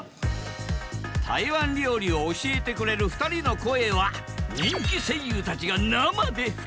台湾料理を教えてくれる２人の声は人気声優たちが生で吹き替える。